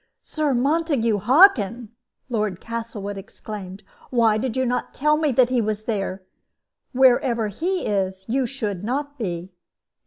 "Sir Montague Hockin!" Lord Castlewood exclaimed; "why, you did not tell me that he was there. Wherever he is, you should not be."